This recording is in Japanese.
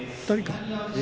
２人か。